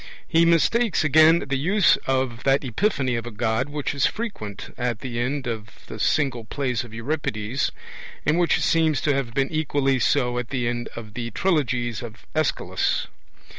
He mistakes, again, the use of that epiphany of a God which is frequent at the end of the single plays of Euripides, and which seems to have been equally so at the end of the trilogies of Aeschylus.